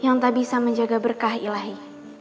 yang tak bisa menjaga berkah ilahi